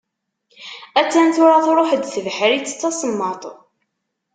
Attan tura truḥ-d tebḥritt d tasemmaḍt.